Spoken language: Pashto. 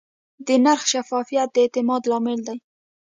د نرخ شفافیت د اعتماد لامل دی.